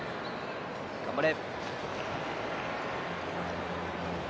頑張れ！